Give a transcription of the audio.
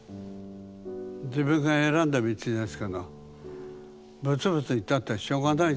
自分が選んだ道ですからブツブツ言ったってしょうがないじゃないですか。